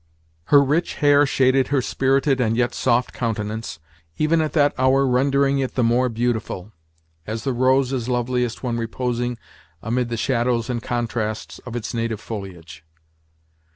Her rich hair shaded her spirited and yet soft countenance, even at that hour rendering it the more beautiful as the rose is loveliest when reposing amid the shadows and contrasts of its native foliage.